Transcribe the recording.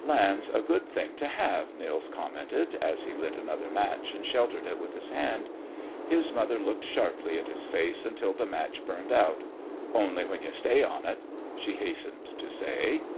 "Land's a good thing to have," Nils commented, as he lit another match and sheltered it with his hand. His mother looked sharply at his face until the match burned out. "Only when you stay on it!" she hastened to say.